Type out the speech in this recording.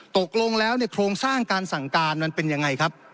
ตกลงแล้วเนี่ยโครงสร้างการสั่งการมันเป็นยังไงครับ